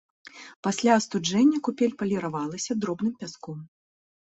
Пасля астуджэння купель паліравалася дробным пяском.